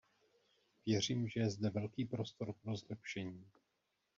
Věřím, že je zde velký prostor pro zlepšení.